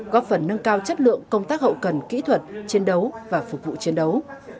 góp phần nâng cao chất lượng công tác hậu cần kỹ thuật chiến đấu và phục vụ chiến đấu